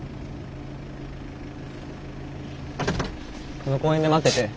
この公園で待ってて。